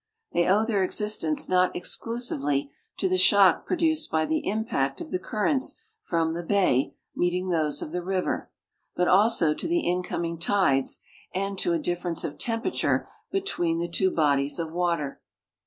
They owe their existence not exclusively to the shock produced by the imi)act of the currents from the bay meet ing those of the river, but also to the incoming tides and to a difference of temperature between the two bodies of water.